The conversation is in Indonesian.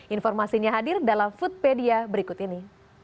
informasinya hadir dalam foodpedia berikut ini